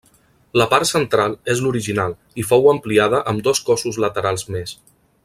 La part central és l’original i fou ampliada amb dos cossos laterals més.